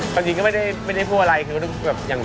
พักถึงก็ไม่ได้พูดอะไรเหมือนเจอเมล่า